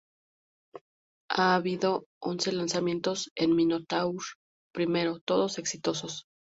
Ha habido once lanzamientos del Minotaur I, todos exitosos.